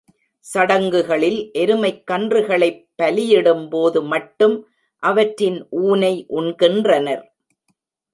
சடங்குகளில் எருமைக் கன்றுகளைப் பலியிடும்போது மட்டும் அவற்றின் ஊனை உண்கின்றனர்.